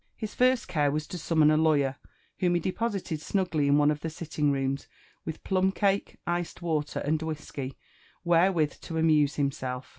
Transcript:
His first care was to summon a lawyer, whom he deposited snugly in one of the sitting rooms, with plunicake, iced water, and whisky, where with to amuse himself.